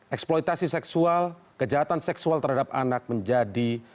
eksploitasi seksual kejahatan seksual terhadap anak menjadi